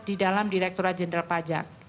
di dalam direkturat jenderal pajak